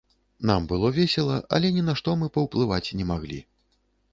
Нам было весела, але ні на што мы паўплываць не маглі.